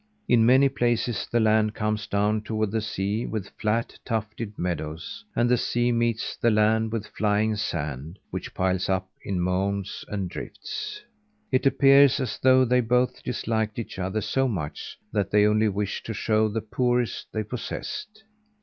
In many places the land comes down toward the sea with flat, tufted meadows, and the sea meets the land with flying sand, which piles up in mounds and drifts. It appears as though they both disliked each other so much that they only wished to show the poorest they possessed.